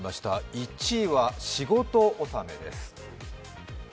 １位は仕事納めです。